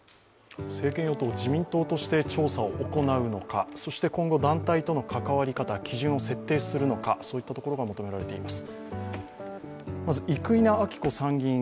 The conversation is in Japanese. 政権与党・自民党として調査を行うのか、そして今後、団体との関わり方、基準を設定するのか、そういったところが求められています。